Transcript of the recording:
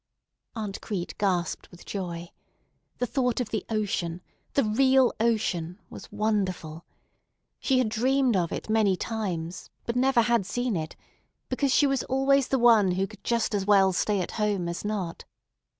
Aunt Crete gasped with joy. The thought of the ocean, the real ocean, was wonderful. She had dreamed of it many times, but never had seen it, because she was always the one who could just as well stay at home as not.